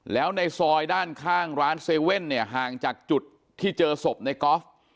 แล้วในซอยด้านข้างร้าน๗๑๑เนี่ยห่างจากจุดที่เจอศพในกอล์ฟ